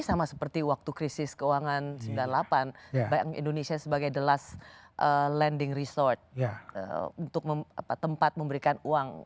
sama seperti waktu krisis keuangan sembilan puluh delapan bank indonesia sebagai the last lending resort untuk tempat memberikan uang